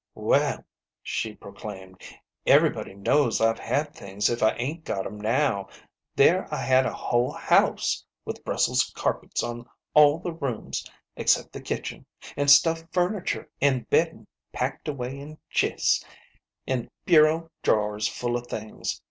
"Well," she proclaimed, "everybody knows I've had things if I ain't got 'em now. There I had a whole house, with Brussels carpets on all the rooms except the kitchen, an 5 stuffed furniture, an' beddin' packed away in chists, an' bureau drawers full of things.